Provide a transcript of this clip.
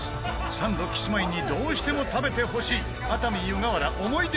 サンドキスマイにどうしても食べてほしい熱海・湯河原思い出